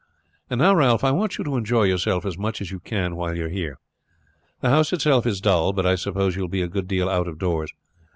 And now, Ralph, I want you to enjoy yourself as much as you can while you are here. The house itself is dull, but I suppose you will be a good deal out of doors.